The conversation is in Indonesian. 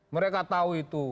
mereka tahu itu